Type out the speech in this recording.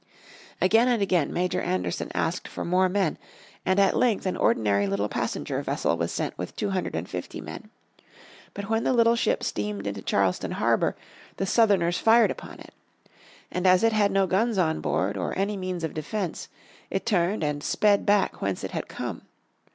Again and again Major Anderson asked for more men, and at length an ordinary little passenger vessel was sent with two hundred and fifty men. But when the little ship steamed into Charleston harbour the Southerners fired upon it. And as it had no guns on board or any means of defence it turned and sped back whence it had come.